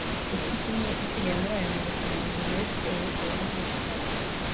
Ikipe imwe isigaye muri aya marushanwa ni Rayon Sports ku ruhande rw’u Rwanda